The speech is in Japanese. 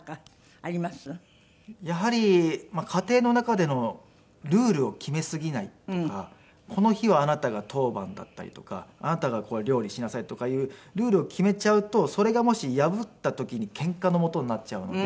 やはり家庭の中でのルールを決めすぎないとかこの日はあなたが当番だったりとかあなたが料理しなさいとかいうルールを決めちゃうとそれがもし破った時にケンカのもとになっちゃうので。